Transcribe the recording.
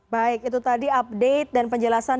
baik itu tadi update dan penjelasan